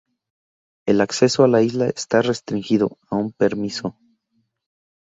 El acceso a la isla está restringido a un permiso.